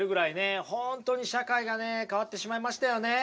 本当に社会がね変わってしまいましたよね。